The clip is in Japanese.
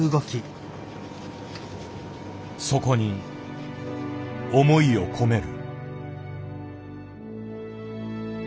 そこに思いをこめる。